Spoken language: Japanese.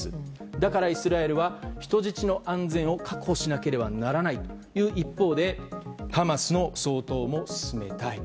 だからイスラエルは人質の安全を確保しなければならないという一方でハマスの掃討も進めたいと。